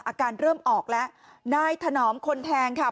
อาการเริ่มออกแล้วนายถนอมคนแทงค่ะ